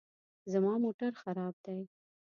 زما موټر خراب دی